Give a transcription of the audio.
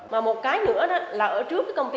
bắt đầu kiểm trị việc nghiêm trọng và phép thì